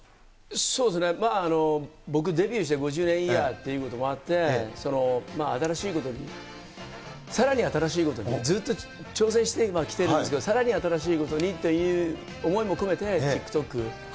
そうですね、僕、デビューして５０年イヤーということもあって、新しいこと、さらに新しいことをずっと挑戦して今、来てるんですけど、さらに新しいことにという思いも込めて、ＴｉｋＴｏｋ。